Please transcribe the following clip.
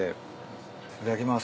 いただきます。